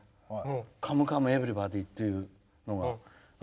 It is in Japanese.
「カムカムエヴリバディ」っていうのが。